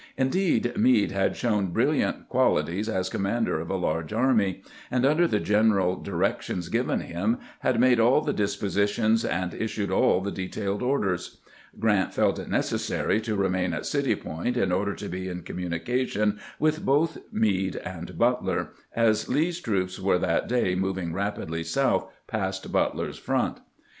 Indeed, Meade had shown brilliant quali ties as commander of a large army, and under the gen eral directions given him had made all the dispositions and issued all the detailed orders. Grant felt it neces sary to remain at City Point in order to be in commu nication with both Meade and Butler, as Lee's troops were that day moving rapidly south past Butler's front.